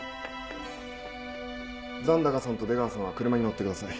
残高さんと出川さんは車に乗ってください。